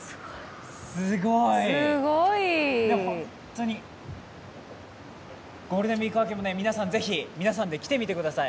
すごい。ゴールデンウイーク明けもぜひ皆さんで来てみてください。